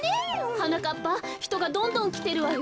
はなかっぱひとがどんどんきてるわよ。